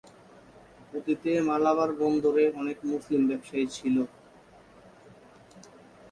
অতীতে মালাবার বন্দরে অনেক মুসলিম ব্যবসায়ী ছিল।